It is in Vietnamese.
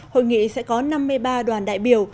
hội nghị sẽ có năm mươi ba đoàn đại biểu